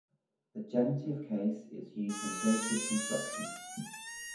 The genitive case is used in dative constructions.